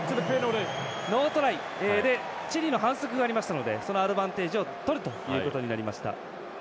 ノートライでチリの反則がありましたのでそのアドバンテージをとるということになりました。